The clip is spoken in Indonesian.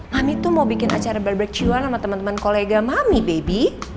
mami tuh mau bikin acara berberciuan sama temen temen kolega mami baby